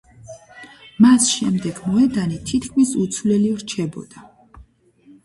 მას შემდეგ მოედანი თითქმის უცვლელი რჩებოდა.